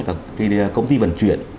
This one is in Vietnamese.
các cái công ty vận chuyển